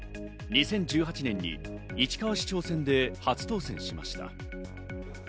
２０１８年に市川市長選で初当選しました。